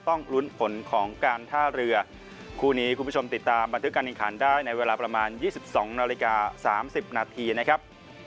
ต้องลุ้นผลของการท่าเรือคู่นี้คุณผู้ชมติดตามบันทึกการแข่งขันได้ในเวลาประมาณ๒๒นาฬิกา๓๐นาทีนะครับ